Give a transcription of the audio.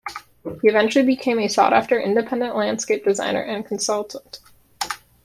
He eventually became a sought after independent landscape designer and consultant.